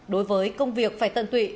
đối với công việc phải tận tụy